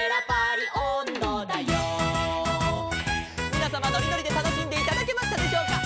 「みなさまのりのりでたのしんでいただけましたでしょうか」